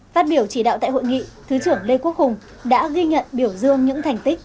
phát biểu chỉ đạo tại hội nghị thứ trưởng lê quốc hùng đã ghi nhận biểu dương những thành tích